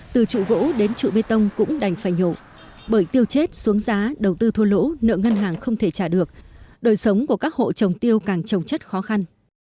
từ trụ gỗ đến trụ bê tông cũng đành phải nhổ bởi tiêu chết xuống giá đầu tư thua lỗ nợ ngân hàng không thể trả được đời sống của các hộ trồng tiêu càng trồng chất khó khăn